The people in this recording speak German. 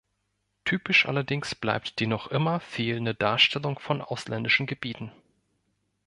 Typisch allerdings bleibt die noch immer fehlende Darstellung von ausländischen Gebieten.